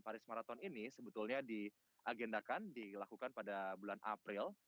paris marathon ini sebetulnya diagendakan dilakukan pada bulan april